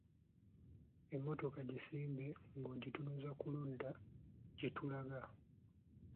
Emmotoka gisimbe ng'ogitunuza ku ludda gye tulaga.